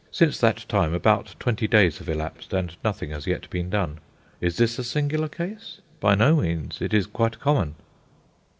Since that time about twenty days have elapsed, and nothing has yet been done. Is this a singular case? By no means; it is quite common."